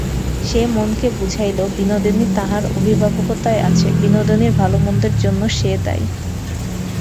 সে মনকে বুঝাইল–বিনোদিনী তাহার অভিভাবকতায় আছে, বিনোদিনীর ভালোমন্দের জন্য সে দায়ী।